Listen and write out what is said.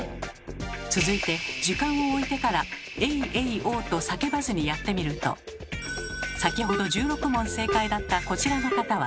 続いて時間をおいてから「エイエイオー」と叫ばずにやってみると先ほど１６問正解だったこちらの方は。